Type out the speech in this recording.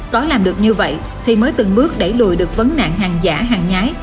có làm được như vậy thì mới từng bước đẩy lùi được vấn nạn hàng giả hàng nhái